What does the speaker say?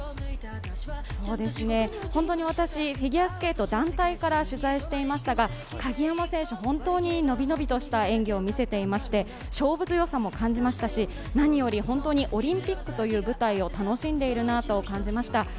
私、フィギュアスケート団体から取材していましたが鍵山選手、本当にのびのびとした演技を見せていまして、勝負強さも感じましたし何より本当にオリンピックという舞台を楽しんでいるなと感じました。